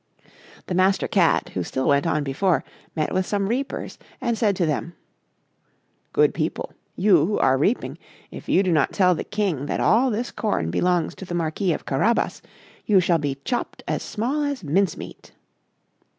The Master Cat, who still went on before, met with some reapers, and said to them: "Good people, you who are reaping, if you do not tell the King that all this corn belongs to the Marquis of Carabas, you shall be chopped as small as mince meat."